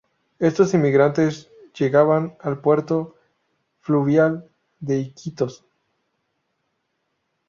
Estos inmigrantes llegaban al puerto fluvial de Iquitos.